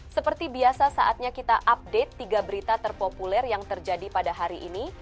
seperti biasa saatnya kita update tiga berita terpopuler yang terjadi pada hari ini